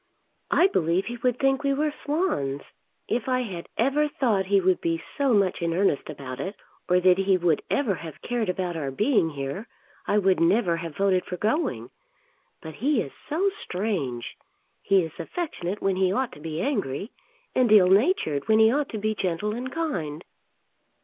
"I believe he would think we were swans. If I had ever thought he would be so much in earnest about it, or that he would ever have cared about our being here, I would never have voted for going. But he is so strange. He is affectionate when he ought to be angry, and ill natured when he ought to be gentle and kind."